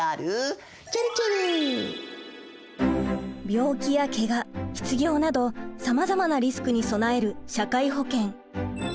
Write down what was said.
病気やケガ失業などさまざまなリスクに備える社会保険。